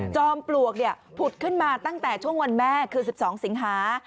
ปลวกผุดขึ้นมาตั้งแต่ช่วงวันแม่คือ๑๒สิงหา